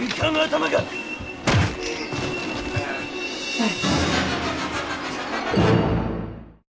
うっ。